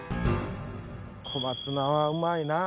小松菜はうまいなぁ。